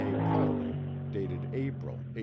K. Paulding dated April, 1831.